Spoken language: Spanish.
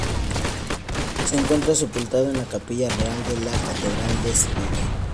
Se encuentra sepultado en la Capilla Real de la catedral de Sevilla.